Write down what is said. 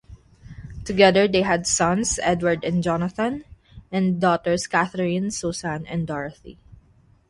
Together they had sons Edward and Jonathan, and daughters Katherine, Susan, and Dorothy.